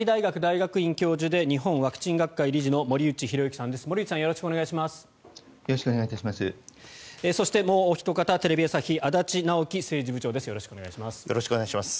長崎大学大学院教授で日本ワクチン学会理事の森内浩幸さんです。